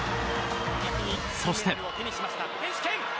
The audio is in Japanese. そして。